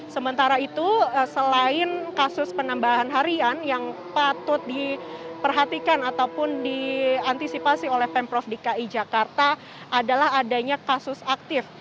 sementara itu selain kasus penambahan harian yang patut diperhatikan ataupun diantisipasi oleh pemprov dki jakarta adalah adanya kasus aktif